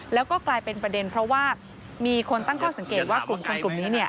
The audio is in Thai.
แล้วก็กลายเป็นประเด็นเพราะว่ามีคนตั้งข้อสังเกตว่ากลุ่มคนกลุ่มนี้